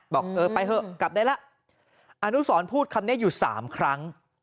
บอกเออไปเถอะกลับได้แล้วอนุสรพูดคำนี้อยู่๓ครั้ง